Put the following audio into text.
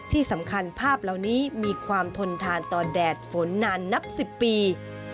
ที่สำคัญภาพเหล่านี้มีความทนทานต่อแดดฝนนานนับ๑๐ปี